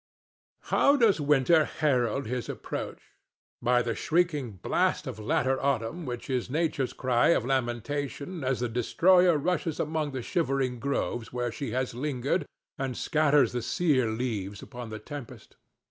How does Winter herald his approach? By the shrieking blast of latter autumn which is Nature's cry of lamentation as the destroyer rushes among the shivering groves where she has lingered and scatters the sear leaves upon the tempest.